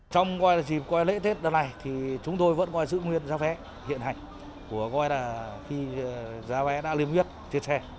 trong dịp lễ tết này chúng tôi vẫn giữ nguyên giá vé hiện hành khi giá vé đã liêm nguyên trên xe